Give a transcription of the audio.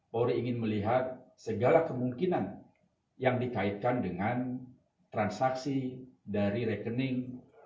polri ingin melihat segala kemungkinan yang dikaitkan dengan transaksi dari rekening